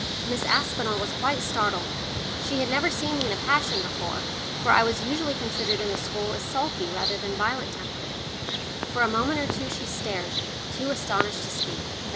Miss Aspinall was quite startled; she had never seen me in a passion before, for I was usually considered in the school as sulky rather than violent tempered. For a moment or two she stared, too astonished to speak.